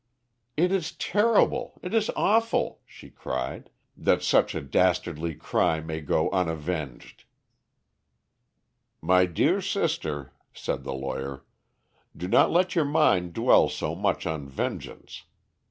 "It is terrible it is awful!" she cried, "that such a dastardly crime may go unavenged!" "My dear sister," said the lawyer, "do not let your mind dwell so much on vengeance.